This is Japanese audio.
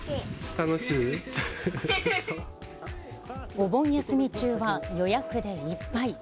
お盆休み中は予約でいっぱい。